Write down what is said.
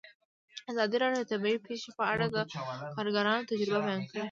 ازادي راډیو د طبیعي پېښې په اړه د کارګرانو تجربې بیان کړي.